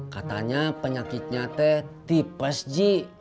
katanya penyakitnya te tipes ji